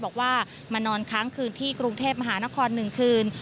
บอกว่ามานอนค้างคืนที่กรุงเทพมหานคร๑คืน